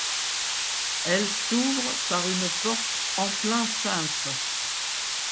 Elle s'ouvre par une porte en plein cintre.